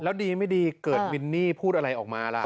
แล้วดีไม่ดีเกิดวินนี่พูดอะไรออกมาล่ะ